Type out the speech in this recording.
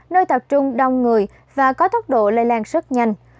nơi tập trung đông người và có tốc độ lây lan rất nhanh